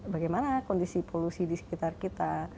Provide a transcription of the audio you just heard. bagaimana kondisi polusi di sekitar kita